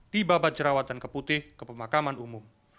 di babat jerawat dan keputih ke pemakaman umum